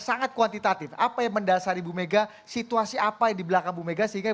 sangat kuantitatif apa yang mendasari bu mega situasi apa yang di belakang bu mega sehingga